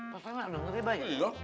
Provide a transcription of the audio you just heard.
masa nggak dong ngeri banyak